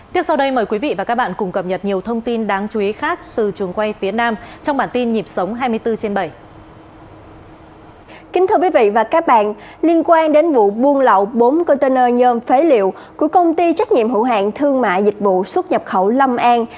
kính thưa quý vị và các bạn liên quan đến vụ buôn lậu bốn container nhôm phế liệu của công ty trách nhiệm hữu hạng thương mại dịch vụ xuất nhập khẩu lâm an